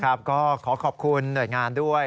ครับก็ขอขอบคุณเดือดงานด้วย